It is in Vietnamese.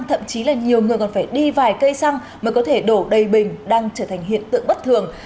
thậm chí là nhiều người còn phải đi vài cây xăng mà có thể đổ đầy bình đang trở thành hiện tượng bất thường